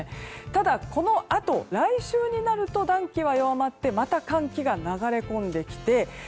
ただ、このあと来週になると暖気は弱まってまた、寒気が流れ込んできて